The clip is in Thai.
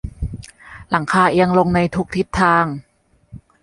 หลังคาเอียงลงในทุกทิศทาง